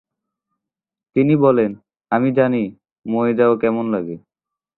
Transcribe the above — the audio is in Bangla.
তিনি বলেন, "আমি জানি মরে যাওয়া কেমন লাগে।"